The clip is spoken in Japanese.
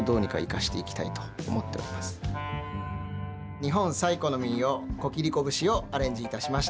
日本最古の民謡「こきりこ節」をアレンジいたしました。